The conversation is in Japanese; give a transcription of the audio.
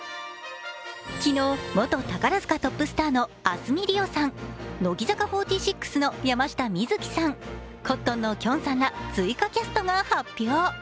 昨日、元宝塚トップスターの明日海りおさん、乃木坂４６の山下美月さん、コットンのきょんさんら追加キャストが発表。